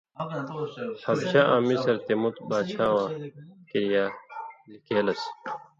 حبشہ آں مصر تے مُت باچھاواں کریا لِکېلَس۔